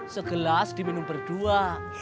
segelas diminum berdua